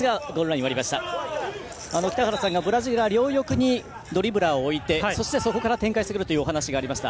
北原さんからブラジルは両翼にドリブラーを置いて、そこから展開してくるというお話がありました。